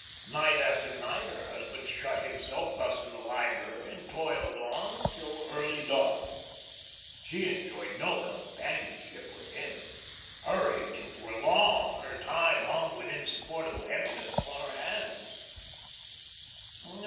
Night after night her husband shut himself thus in the library, and toiled on till early dawn. She enjoyed no companionship with him. Her evenings were long, her time hung with insupportable heaviness upon her hands.